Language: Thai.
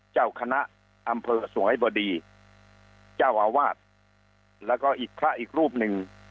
เจ้าคณะอำเภอสวยบดีเจ้าอาวาสแล้วก็อีกพระอีกรูปหนึ่ง